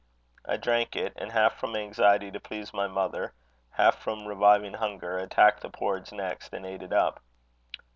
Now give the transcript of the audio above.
I drank it; and, half from anxiety to please my mother, half from reviving hunger, attacked the porridge next, and ate it up.